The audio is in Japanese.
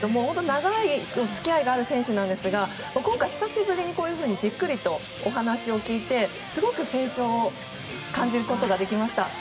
長い付き合いがある選手なんですが今回、久しぶりにこういうふうにじっくりとお話を聞いてすごく成長を感じることができました。